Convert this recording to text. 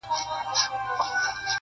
په دې تاریکو افسانو کي ریشتیا ولټوو-